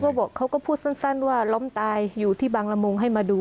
บอกเขาก็พูดสั้นว่าล้มตายอยู่ที่บางละมุงให้มาดู